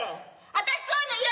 私そういうの嫌。